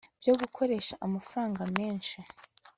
byo gukoresha amafaranga menshi